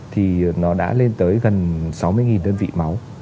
thì nó đã lên tới gần sáu mươi đơn vị máu